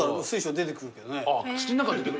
土ん中に出てくる。